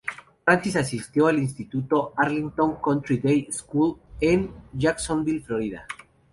Francis asistió al instituto "Arlington Country Day School" en Jacksonville, Florida.